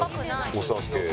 お酒。